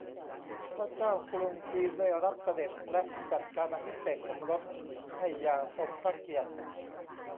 พระเจ้ากรุงจีนได้รับเสด็จและจัดการอภิเษกสมรสให้อย่างสมพระเกียรติ